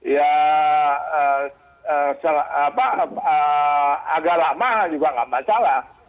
ya agak lama juga nggak masalah